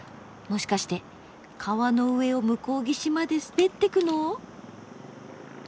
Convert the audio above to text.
もしかして川の上を向こう岸まで滑ってくの？